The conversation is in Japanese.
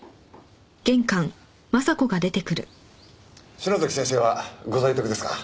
篠崎先生はご在宅ですか？